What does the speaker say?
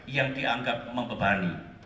yang dianggap membebani